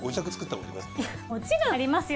もちろんありますよ。